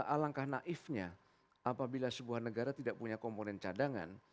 alangkah naifnya apabila sebuah negara tidak punya komponen cadangan